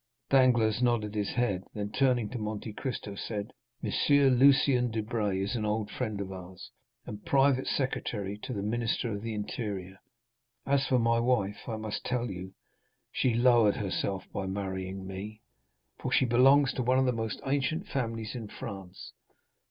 Danglars nodded his head; then, turning to Monte Cristo, said, "M. Lucien Debray is an old friend of ours, and private secretary to the Minister of the Interior. As for my wife, I must tell you, she lowered herself by marrying me, for she belongs to one of the most ancient families in France.